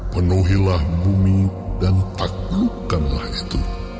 penuhilah bumi dan taklukkanlah itu